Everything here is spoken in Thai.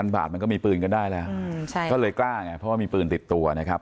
บาทมันก็มีปืนกันได้แล้วก็เลยกล้าไงเพราะว่ามีปืนติดตัวนะครับ